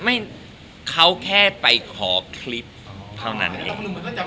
ไม่เขาแค่ไปขอคลิปเท่านั้นเอง